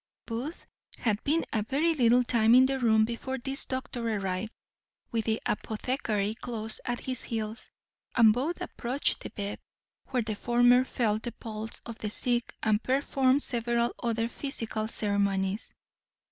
Booth had been a very little time in the room before this doctor arrived, with the apothecary close at his heels, and both approached the bed, where the former felt the pulse of the sick, and performed several other physical ceremonies.